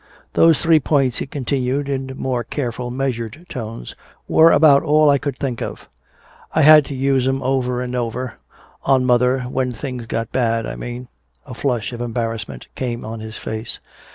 "Those three points," he continued, in more careful measured tones, "were about all I could think of. I had to use 'em over and over on mother when things got bad, I mean." A flush of embarrassment came on his face.